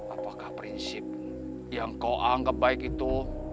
apakah prinsip yang kau anggap baik itu